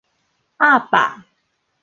鴨霸